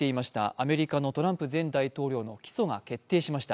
アメリカのトランプ前大統領の起訴が決定しました。